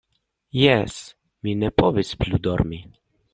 Jes, mi ne povis plu dormi.